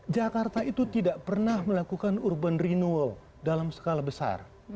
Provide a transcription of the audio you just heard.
jakarta itu tidak pernah melakukan urban renewal dalam skala besar